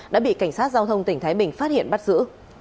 đã bị cảnh sát giao thông tỉnh thái bình phát hiện bắt giữ